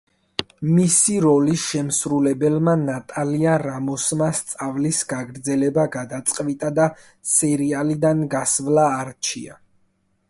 მისი როლის შემსრულებელმა ნატალია რამოსმა სწავლის გაგრძელება გადაწყვიტა და სერიალიდან გასვლა არჩია.